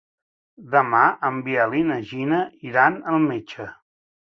Demà en Biel i na Gina iran al metge.